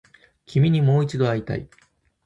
君にもう一度会いたい